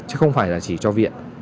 chứ không phải là chỉ cho viện